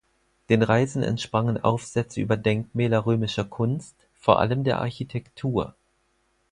Den Reisen entsprangen Aufsätze über Denkmäler römischer Kunst, vor allem der Architektur.